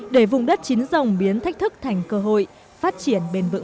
để vùng đất chín rồng biến thách thức thành cơ hội phát triển bền vững